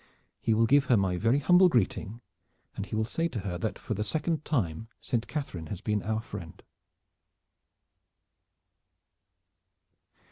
"He will give her my very humble greeting, and he will say to her that for the second time Saint Catharine has been our friend."